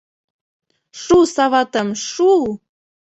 — Шу саватым, шу!